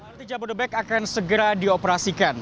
lrt jabodebek akan segera dioperasikan